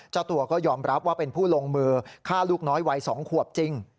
เจ้าตัวก็ยอมรับว่าเป็นผู้ลงมือฆ่าลูกน้อยวัย๒ขวบจริง